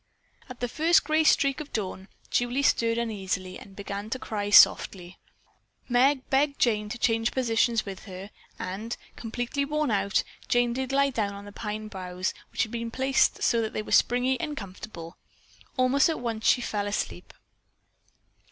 At the first gray streak of dawn, Julie stirred uneasily and began to cry softly. Meg begged Jane to change positions with her, and, completely worn out, Jane did lie down on the pine boughs which had been so placed that they were springy and comfortable. Almost at once she fell asleep.